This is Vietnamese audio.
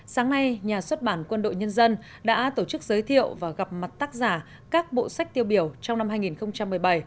sáng nay nhà xuất bản quân đội nhân dân đã tổ chức giới thiệu và gặp mặt tác giả các bộ sách tiêu biểu trong năm hai nghìn một mươi bảy